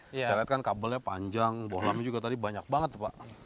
saya lihat kan kabelnya panjang bohlamnya juga tadi banyak banget pak